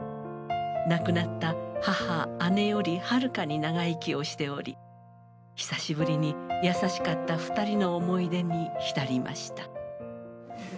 亡くなった母姉よりはるかに長生きをしており久しぶりに優しかった２人の思い出に浸りました」。